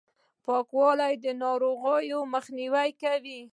پاکوالي، د ناروغیو مخنیوی کوي.